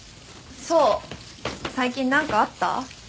想最近何かあった？